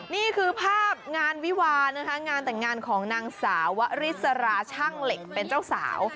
นี่คือภาพงานวิวานะคะงานแต่งงานของนางสาววริสราชั่งเหล็กเป็นเจ้าสาว